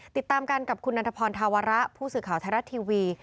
ติดตามกันกับคุณนันทพรธาวระผู้สื่อข่าวไทยรัฐทีวี